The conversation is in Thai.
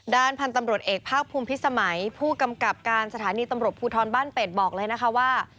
ด้านพันธุ์ตำรวจเอกภาคภูมิพิสมัยผู้กำกับการสถานีตำรวจภูทรบ้านเป็ดบอกเลยนะคะว่า